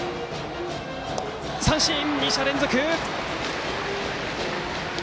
三振、２者連続。